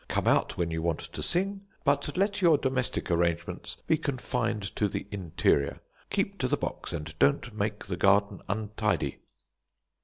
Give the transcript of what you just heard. Come out when you want to sing; but let your domestic arrangements be confined to the interior. Keep to the box, and don't make the garden untidy.'"